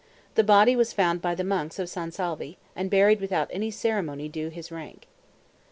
The body was found by the monks of San Salvi, and buried without any ceremony due to his rank.